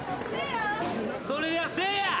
それではせいや！